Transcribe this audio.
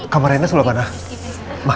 kamar reina sebelah mana